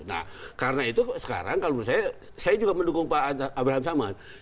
nah karena itu sekarang kalau menurut saya saya juga mendukung pak abraham samad